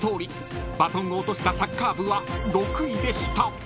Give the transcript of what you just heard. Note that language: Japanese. ［バトンを落としたサッカー部は６位でした］